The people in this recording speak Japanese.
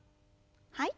はい。